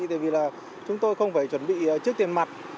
tại vì là chúng tôi không phải chuẩn bị trước tiền mặt